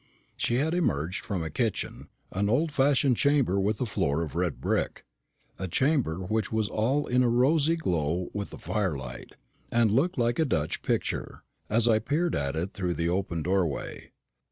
She had emerged from a kitchen, an old fashioned chamber with a floor of red brick; a chamber which was all in a rosy glow with the firelight, and looked like a Dutch picture, as I peeped at it through the open doorway.